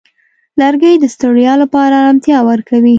لرګی د ستړیا لپاره آرامتیا ورکوي.